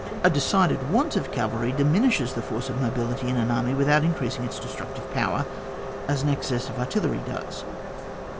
A decided want of cavalry diminishes the force of mobility in an army without increasing its destructive^ power as an excess of artUlery does.